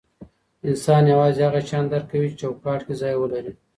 انسان یوازې هغه شیان درک کوي چې چوکاټ کې ځای ولري.